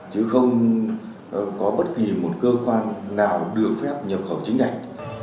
chứ không có bất kỳ một cơ quan nào được phép nhập khẩu chứng nhận